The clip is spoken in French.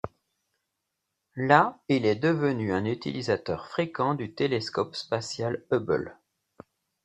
Là il est devenu un utilisateur fréquent du télescope spatial Hubble.